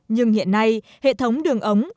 nhưng hiện nay hệ thống đường ống